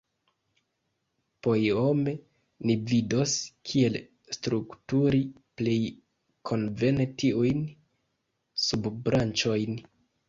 Poiome ni vidos, kiel strukturi plej konvene tiujn subbranĉojn.